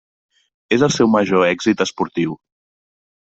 És el seu major èxit esportiu.